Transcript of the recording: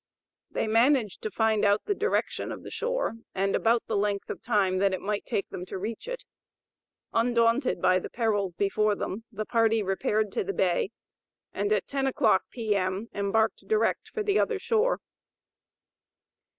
They managed to find out the direction of the shore, and about the length of time that it might take them to reach it. Undaunted by the perils before them the party repaired to the bay, and at ten o'clock, P.M. embarked direct for the other shore.